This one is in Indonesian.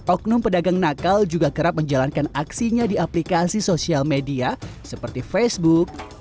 oknum pedagang nakal juga kerap menjalankan aksinya di aplikasi sosial media seperti facebook